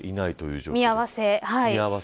見合わせ。